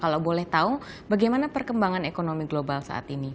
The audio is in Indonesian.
kalau boleh tahu bagaimana perkembangan ekonomi global saat ini